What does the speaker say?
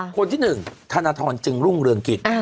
คนที่๑ธนทรจึงรุ่งเรืองกิจ